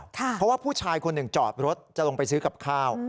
เพราะว่าผู้ชายคนหนึ่งจอดรถจะลงไปซื้อกับข้าว